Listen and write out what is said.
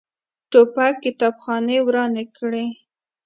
توپک کتابخانې ورانې کړي.